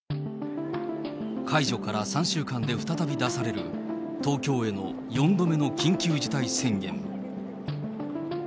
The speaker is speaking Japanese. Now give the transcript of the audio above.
解除から３週間で再び出される東京への４度目の緊急事態宣言。